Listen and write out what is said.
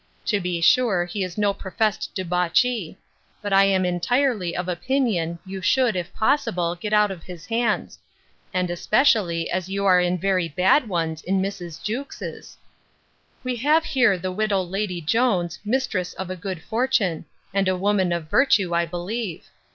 To be sure, he is no professed debauchee. But I am entirely of opinion, you should, if possible, get out of his hands; and especially as you are in very bad ones in Mrs. Jewkes's. 'We have here the widow Lady Jones, mistress of a good fortune; and a woman of virtue, I believe.